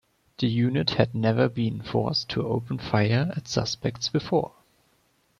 The unit had never been forced to open fire at suspects before.